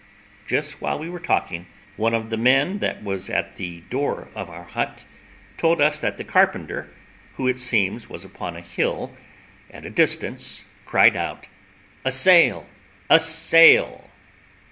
Just while we were talking, one of our men that was at the door of our hut, told us that the carpenter, who it seems was upon a hill at a distance, cried out, "A sail! a sail!"